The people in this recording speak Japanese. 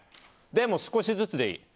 でも、少しずつでいい。